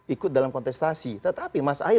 ikut dalam kontestasi tetapi mas ahy